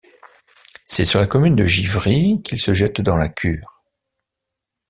C'est sur la commune de Givry qu'il se jette dans la Cure.